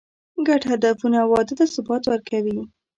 ګډ هدفونه واده ته ثبات ورکوي.